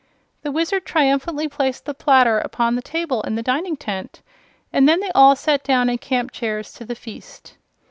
The Wizard triumphantly placed the platter upon the table in the dining tent and then they all sat down in camp chairs to the feast.